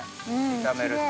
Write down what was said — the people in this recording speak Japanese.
炒めると。